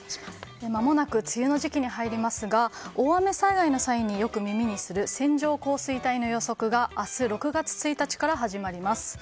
まもなく梅雨の時期に入りますが大雨災害の際によく耳にする線状降水帯の予測が明日６月１日から始まりました。